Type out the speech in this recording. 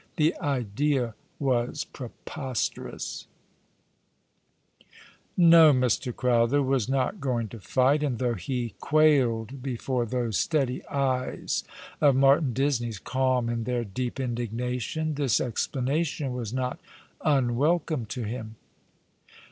The idea was preposterous ! No, Mr. Crowther was not going to fight ; and though ho quailed before those steady eyes of Martin Disney 's, calm in their deep indignation, this explanation was not unwelcome to him.